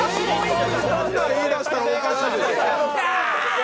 そんな言い出したらおかしいでしょ。